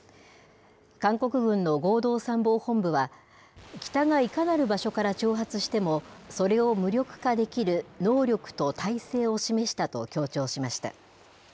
韓国軍の合同参謀本部は、北がいかなる場所から挑発しても、それを無力化できる能力と態勢を示したと強調しました。